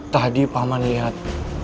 tadi paman lihat